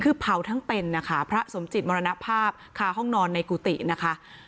คือเผาทั้งเป็นนะคะพระสมจิตมรณภาพคาห้องนอนในกุฏินะคะ